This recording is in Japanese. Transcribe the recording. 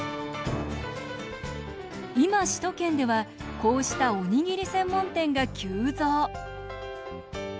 今、首都圏ではこうした、おにぎり専門店が急増。